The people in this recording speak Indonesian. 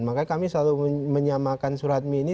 makanya kami selalu menyamakan surat mi ini